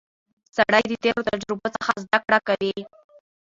سړی د تېرو تجربو څخه زده کړه کوي